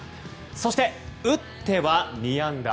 そして、打っては２安打。